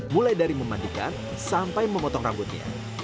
mulai dari memandikan sampai memotong rambutnya